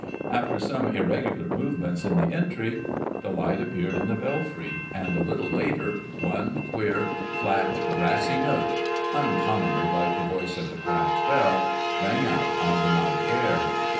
After some irregular movements in the entry, the light appeared in the belfry, and a little later, one queer, flat, brassy note, uncommonly like the voice of the cracked bell, rang out on the night air.